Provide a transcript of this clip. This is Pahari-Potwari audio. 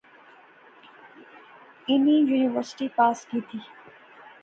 انی یونیورسٹی پاس کیتی